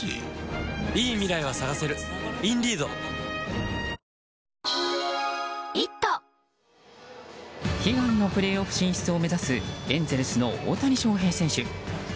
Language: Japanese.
明治おいしい牛乳悲願のプレーオフ進出を目指すエンゼルスの大谷翔平選手。